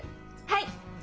はい！